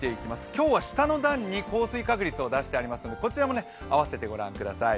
今日は下の段に降水確率を出してありますので、こちらも併せてご覧ください。